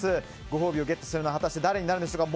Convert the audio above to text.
ご褒美をゲットするのは果たして誰になるんでしょうか。